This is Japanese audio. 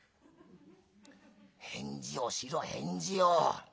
返事をしろ返事を。